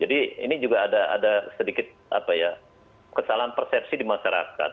jadi ini juga ada sedikit kesalahan persepsi di masyarakat